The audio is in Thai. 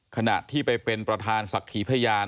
ขณะที่ไปเป็นประธานศักดิ์ขีพยาน